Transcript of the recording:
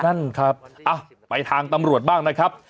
นั่นครับไปทางตำรวจบ้างนะครับ